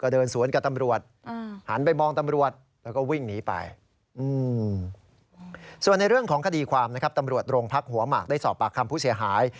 ได้สอบปากคำผู้เสียหาย